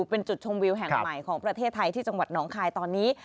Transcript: เป็นจุดชมวิวแห่งใหม่ของประเทศไทยที่จังหวัดหนองคายตอนนี้